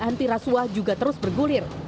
anti rasuah juga terus bergulir